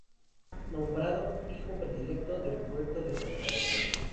Nombrado Hijo Predilecto del Puerto de Santa María.